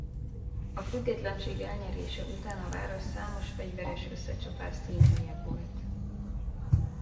A függetlenség elnyerése után a város számos fegyveres összecsapás színhelye volt.